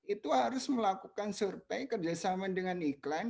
itu harus melakukan survei kerjasama dengan iklan